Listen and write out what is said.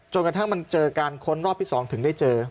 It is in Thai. กระทั่งมันเจอการค้นรอบที่๒ถึงได้เจอ